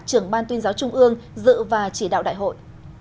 trưởng ban tuyên giáo trung ương dự và chỉ đạo đại hội